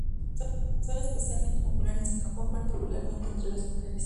Son especialmente populares en Japón, particularmente entre las mujeres.